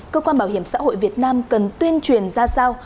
cơ quan bảo hiểm xã hội việt nam cần tuyên truyền ra sao